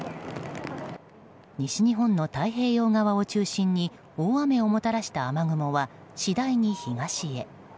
西日本の太平洋側を中心に大雨をもたらした雨雲は次第に東へ。